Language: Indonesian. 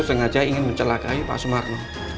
sengaja ingin mencelakai pak sumarno